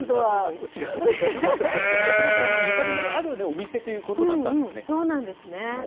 落ちがなかったなと思って、ゆかりのあるお店ということだっそうなんですね。